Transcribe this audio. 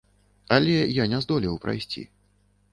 Але я не здолеў прайсці.